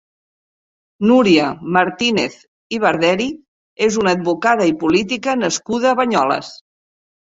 Núria Martínez i Barderi és una advocada i política nascuda a Banyoles.